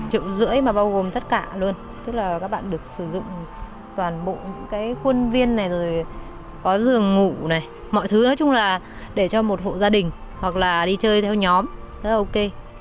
triệu rưỡi mà bao gồm tất cả luôn tức là các bạn được sử dụng toàn bộ cái khuôn viên này rồi có rừng ngủ này mọi thứ nói chung là để cho một hộ gia đình hoặc là đi chơi theo nhóm rất là ok